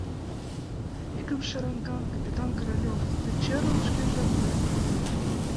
Икымше ранган капитан Королёв ты чырым шкежат сайын пален.